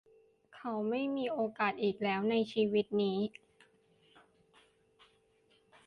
เขาไม่มีโอกาสอีกแล้วในชีวิตนี้